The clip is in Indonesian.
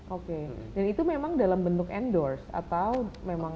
oke dan itu memang dalam bentuk endorse atau memang